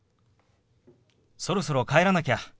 そろそろ帰らなきゃ。